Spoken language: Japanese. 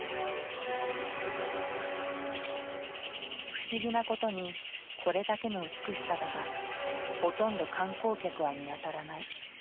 不思議なことにこれだけの美しさだがほとんど観光客は見当たらない。